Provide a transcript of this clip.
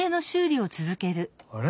あれ？